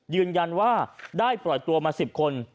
ยืนยันว่าได้ปล่อยตัวมา๑๐คน